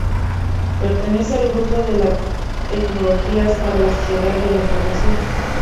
Pertenece al grupo de las Tecnologías para la Sociedad de la información.